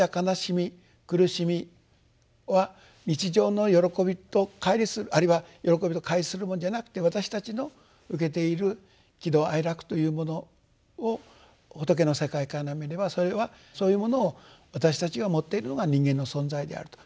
苦しみは日常の喜びと乖離するあるいは喜びと乖離するものじゃなくて私たちの受けている喜怒哀楽というものを仏の世界から見ればそれはそういうものを私たちが持っているのが人間の存在であると。